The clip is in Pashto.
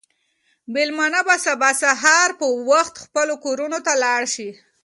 مېلمانه به سبا سهار په وخت خپلو کورونو ته لاړ شي.